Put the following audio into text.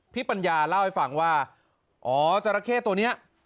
ปัญญาเล่าให้ฟังว่าอ๋อจราเข้ตัวนี้